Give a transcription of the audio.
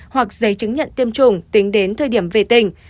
hoặc giấy chứng nhận tiêm chủng tính đến thời điểm về tỉnh